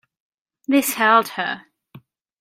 This held her.